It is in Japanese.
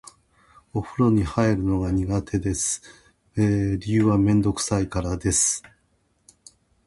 お風呂に入るのが苦手です。理由はめんどくさいからです。